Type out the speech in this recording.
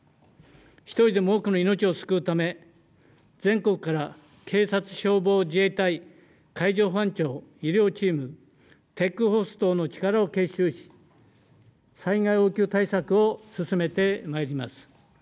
１人でも多くの命を救うため全国から警察、消防、自衛隊、海上保安庁、医療チーム、ＴＥＣーＦＯＲＣＥ等の力を結集し災害応急対策を進めてまいります。